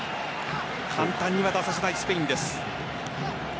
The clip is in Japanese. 簡単には出させないスペインです。